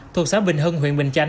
thuộc xã bình hân huyện bình chánh